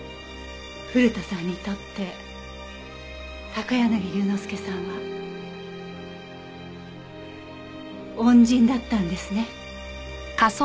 古田さんにとって高柳龍之介さんは恩人だったんですね。